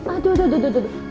aduh aduh aduh